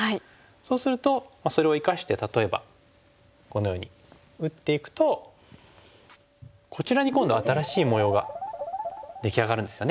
そうするとそれを生かして例えばこのように打っていくとこちらに今度は新しい模様が出来上がるんですよね。